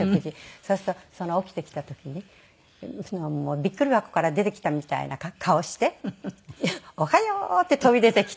そうするとその起きてきた時にびっくり箱から出てきたみたいな顔して「おはよう！」って飛び出てきて。